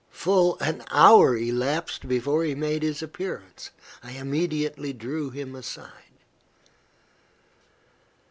Full an hour elapsed before he made his appearance. I immediately drew him aside.